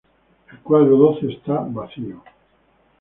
El cuadro doce está vacío.